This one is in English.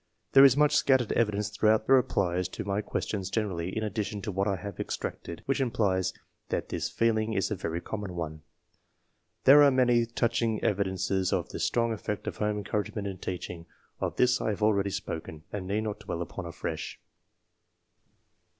There is much scattered evidence throughout the replies to my questions generally, in addition to what I have extracted, which implies that this feel IV.] EDUCATION. 255 ing is a very common one. There are many touching evidences of the strong eflFect of home encouragement and teaching; of this I have already spoken, and need not dwell upon afresh.